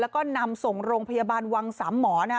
แล้วก็นำส่งโรงพยาบาลวังสามหมอนะฮะ